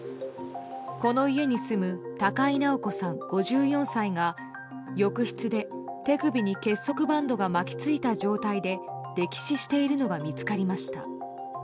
この家に住む高井直子さん、５４歳が浴室で、手首に結束バンドが巻き付いた状態で溺死しているのが見つかりました。